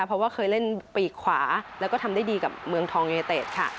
เพราะว่าเคยเล่นปีกขวาแล้วก็ทำได้ดีกับเมืองทองยูเนเต็ดค่ะ